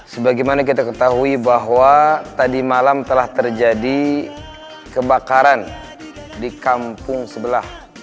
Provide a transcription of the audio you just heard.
sebagaimana kita ketahui bahwa tadi malam telah terjadi kebakaran di kampung sebelah